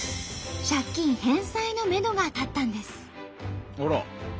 借金返済のめどが立ったんです。